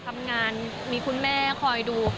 ทำงานมีคุณแม่คอยดู